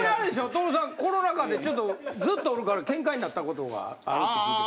徹さんコロナ禍でちょっとずっとおるから喧嘩になったことがあるって。